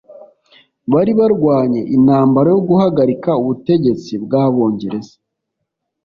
Bari barwanye intambara yo guhagarika ubutegetsi bwabongereza